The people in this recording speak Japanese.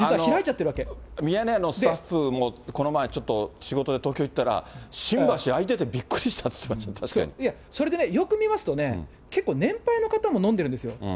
ミヤネ屋のスタッフもこの前、ちょっと仕事で東京行ったら、新橋開いててびっくりしたって言ってましたよ、いや、それでよく見ますと、結構、年配の方も飲んでるんですよ。